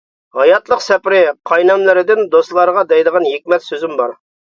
ھاياتلىق سەپىرى-قايناملىرىدىن، دوستلارغا دەيدىغان ھېكمەت سۆزۈم بار.